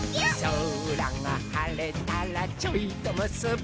「そらがはれたらちょいとむすび」